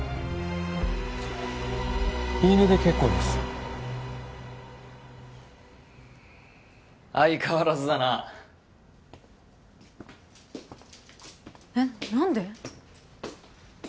言い値で結構です相変わらずだなえっ何で？